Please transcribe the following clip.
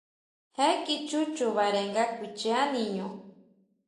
Je kichú chubare nga kuichia niño.